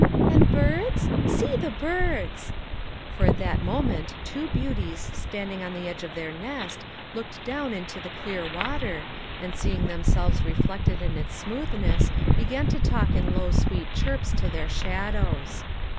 " And birds ? See the birds !" For at that moment two beauties standing on the edge of their nest, looked down into the clear water, and seeing themselves reflected in its smoothness be gan to talk in low sweet chirps to their shadows.